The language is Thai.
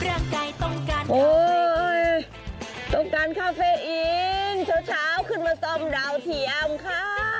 โอ้ยต้องการคาเฟอินโชว์ขึ้นมาซ่อมดาวเทียมค่ะ